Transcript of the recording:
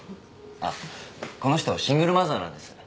あっこの人シングルマザーなんです。